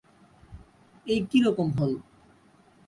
এ কিরকম হল?